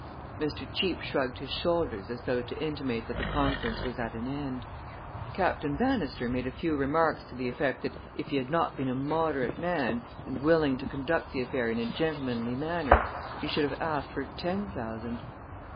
Mr. Cheape shrugged his shoulders as though to intimate that the conference was at an end. Captain Bannister made a few remarks to the effect that if he had not been a moderate man, and willing to conduct the affair in a gentlemanly manner, he should have asked for ten thousand.